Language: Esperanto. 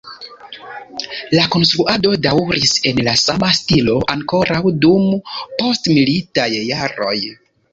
La konstruado daŭris en la sama stilo ankoraŭ dum postmilitaj jaroj.